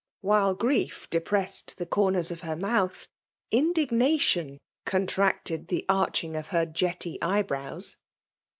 Wliiie grief depressed the comers of her inoath, indignation contracted the arching of her jetty eyebrows.